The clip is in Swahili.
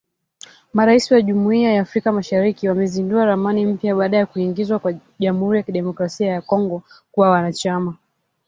Marais wa Jumuiya ya Africa Mashariki wamezindua ramani mpya baada kuingizwa kwa Jamhuri ya Kidemokrasia ya Kongo kuwa wanachama.